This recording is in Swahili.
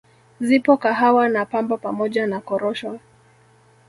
Zipo Kahawa na Pamba pamoja na Korosho